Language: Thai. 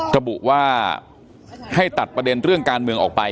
ระบุว่าให้ตัดประเด็นเรื่องการเมืองออกไป